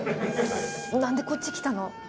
なんでこっち来たの？